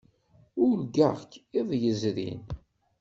Urgaɣ-k iḍ yezrin.